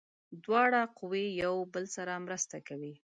دواړه قوې یو بل سره مرسته کوي.